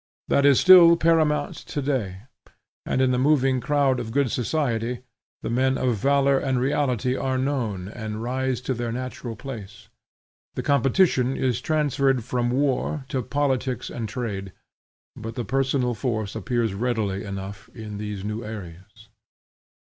That is still paramount to day, and in the moving crowd of good society the men of valor and reality are known and rise to their natural place. The competition is transferred from war to politics and trade, but the personal force appears readily enough in these new arenas.